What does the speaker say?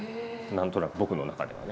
何となく僕の中ではね。